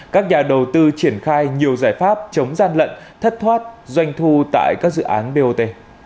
các nhà đầu tư triển khai nhiều giải pháp chống gian lận thất thoát doanh thu tại các dự án bot